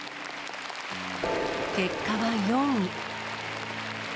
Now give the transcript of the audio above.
結果は４位。